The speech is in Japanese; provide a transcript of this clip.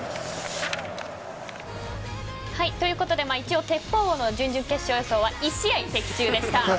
ということで一応テッポウウオの準々決勝予想は１試合的中でした。